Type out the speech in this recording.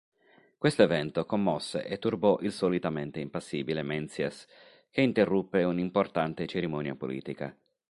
Questo evento commosse e turbò il solitamente impassibile Menzies che interruppe un'importante cerimonia politica.